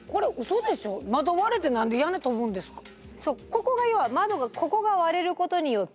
そうここが要は窓がここが割れることによって。